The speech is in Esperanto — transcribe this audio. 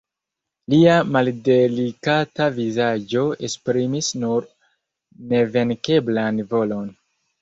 Lia maldelikata vizaĝo esprimis nur nevenkeblan volon.